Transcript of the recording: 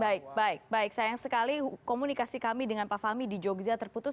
baik baik baik sayang sekali komunikasi kami dengan pak fahmi di jogja terputus